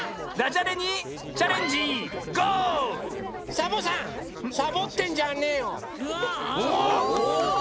サボさんサボってんじゃねえよ！